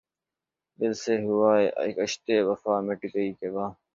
دل سے ہواے کشتِ وفا مٹ گئی کہ واں